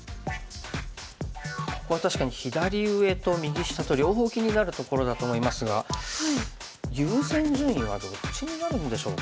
ここは確かに左上と右下と両方気になるところだと思いますが優先順位はどっちになるんでしょうかね。